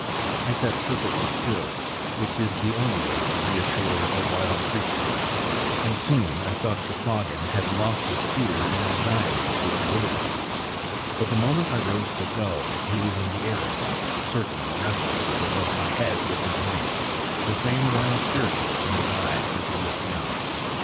I sat perfectly still, which is the only way to reassure a wild creature; and soon I thought Cheplahgan had lost his fear in his anxiety for the little ones. But the moment I rose to go he was in the air again, circling restlessly above my head with his mate, the same wild fierceness in his eyes as he looked down.